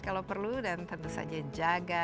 kalau perlu dan tentu saja jaga